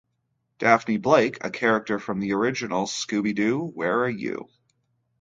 Daphne Blake, a character from the original Scooby-Doo, Where Are You!